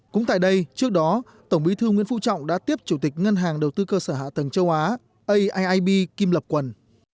cũng tại đây trước đó tổng bí thư nguyễn phú trọng đã tiếp chủ tịch ngân hàng đầu tư cơ sở hạ tầng châu á aib kim lập quần